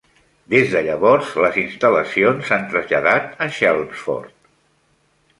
Des de llavors les instal·lacions s'han traslladat a Chelmsford.